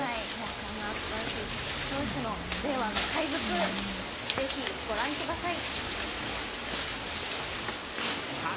そんなすばらしい佐々木投手の令和の怪物、ぜひ、ご覧ください。